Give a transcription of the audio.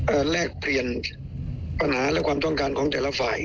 เอ่อแลกเปลี่ยนปัญหาและความต้องการต่อละฝ่าย